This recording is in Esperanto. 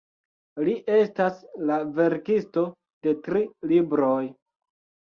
Li estas la verkisto de tri libroj.